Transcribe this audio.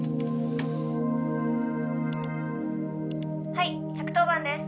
「はい１１０番です。